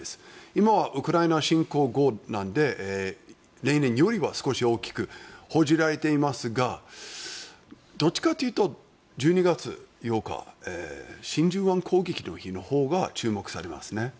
今はウクライナ侵攻後なので例年よりは少し大きく報じられていますがどっちかというと１２月８日真珠湾攻撃の日のほうが注目されますね。